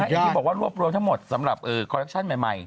อย่างที่บอกว่ารวบรวมทั้งหมดสำหรับคอรัปชั่นใหม่